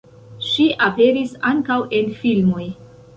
Ŝi aperis ankaŭ en filmoj.